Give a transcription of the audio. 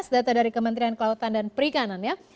data dari kementerian kelautan dan perikanan ya